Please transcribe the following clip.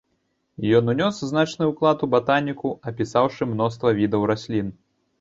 Ён унёс значны ўклад у батаніку, апісаўшы мноства відаў раслін.